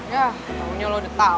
yah taunya lo udah tau gagal deh